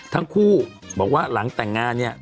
ทั้งคู่บอกว่าหลังแต่งงานเนี่ย